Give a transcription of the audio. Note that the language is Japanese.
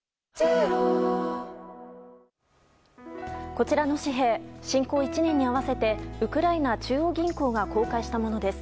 こちらの紙幣侵攻１年に合わせてウクライナ中央銀行が公開したものです。